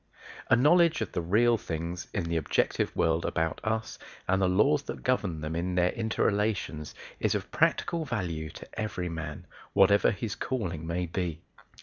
A knowledge of the real things in the objective world about us and the laws that govern them in their inter relations is of practical value to every man, whatever his calling may be.